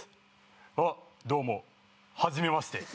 「あっどうもはじめまして」